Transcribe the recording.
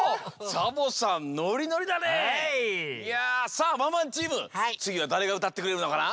さあワンワンチームつぎはだれがうたってくれるのかな？